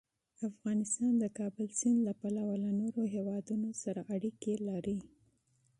افغانستان د د کابل سیند له پلوه له نورو هېوادونو سره اړیکې لري.